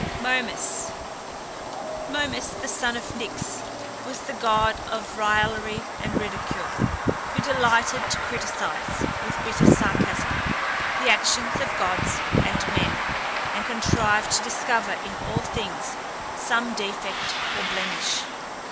MOMUS. Momus, the son of Nyx, was the god of raillery and ridicule, who delighted to criticise, with bitter sarcasm, the actions of gods and men, and contrived to discover in all things some defect or blemish.